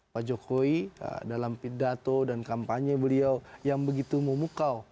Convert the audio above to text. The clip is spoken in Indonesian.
pak jokowi dalam pidato dan kampanye beliau yang begitu memukau